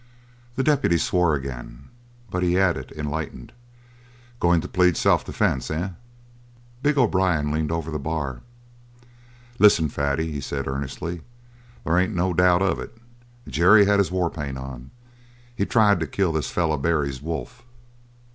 The deputy swore again, but he added, enlightened; "Going to plead self defense, eh?" Big O'Brien leaned over the bar. "Listen, Fatty," he said earnestly, "There ain't no doubt of it. Jerry had his war paint on. He tried to kill this feller Barry's wolf."